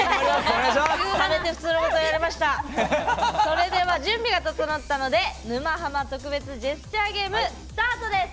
それでは準備が整ったので「沼ハマ」特別ジェスチャーゲームスタートです！